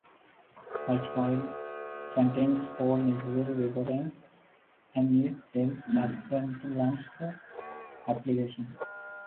Such file contains all necessary references and is self-sufficient to launch the application.